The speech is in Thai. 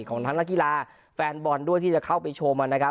ของทั้งนักกีฬาแฟนบอลด้วยที่จะเข้าไปชมนะครับ